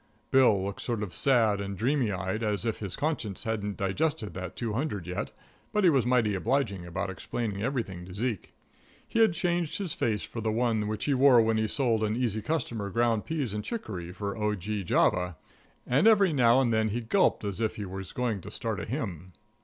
Bill looked sort of sad and dreamy eyed, as if his conscience hadn't digested that two hundred yet, but he was mighty obliging about explaining everything to Zeke. He had changed his face for the one which he wore when he sold an easy customer ground peas and chicory for O. G. Java, and every now and then he gulped as if he was going to start a hymn.